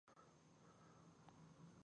دوی د مالیې اصول هم له منځه یوړل.